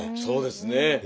そうですね。